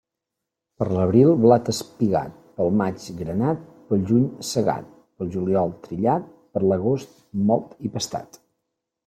Per l'abril, blat espigat; pel maig, granat; pel juny, segat; pel juliol, trillat; per l'agost, mòlt i pastat.